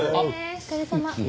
お疲れさまです。